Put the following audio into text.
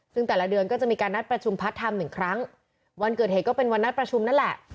ซึ่งแต่ละเดือนก็จะมีการนัดประชุมพัดทำหนึ่งครั้งวันเกิดเหตุก็เป็นวันนัดประชุมนั่นแหละ